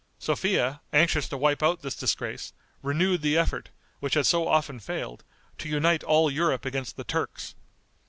Sophia, anxious to wipe out this disgrace, renewed the effort, which had so often failed, to unite all Europe against the Turks.